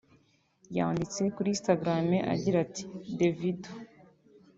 yanditse kuri Instagram agira ati "Davido